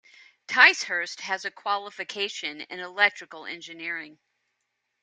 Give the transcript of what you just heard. Ticehurst has a qualification in electrical engineering.